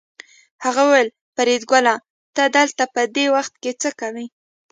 هغه وویل فریدګله ته دلته په دې وخت څه کوې